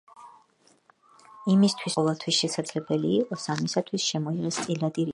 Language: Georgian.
იმისათვის რომ გაყოფის ოპერაცია ყოველთვის შესაძლებელი იყოს, ამისათვის შემოიღეს წილადი რიცხვები.